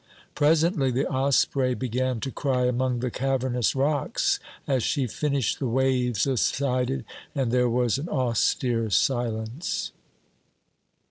Presently the osprey began to cry among the cavernous OBERMANN 255 rocks ; as she finished the waves subsided and there was an austere silence.